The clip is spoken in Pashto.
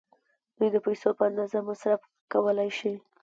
دوی د پیسو په اندازه مصرف کولای شي.